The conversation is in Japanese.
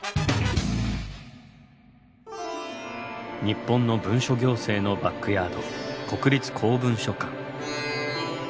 日本の文書行政のバックヤード国立公文書館。